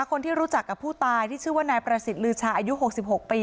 คนที่รู้จักกับผู้ตายที่ชื่อว่านายประสิทธิ์ลือชาอายุ๖๖ปี